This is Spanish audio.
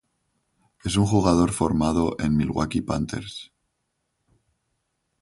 Es un jugador formado en Milwaukee Panthers.